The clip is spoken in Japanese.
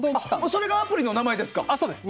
それがアプリの名前ですか？